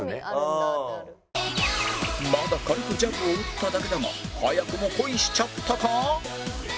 まだ軽くジャブを打っただけだが早くも恋しちゃったか！？